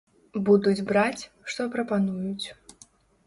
Будуць браць, што прапануюць.